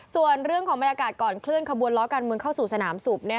ส่วนเรื่องของบรรยากาศก่อนเคลื่อนขบวนล้อการเมืองเข้าสู่สนามสูบ